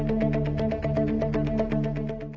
โปรดติดตามตอนต่อไป